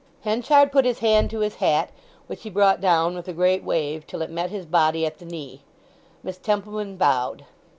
Henchard put his hand to his hat, which he brought down with a great wave till it met his body at the knee. Miss Templeman bowed.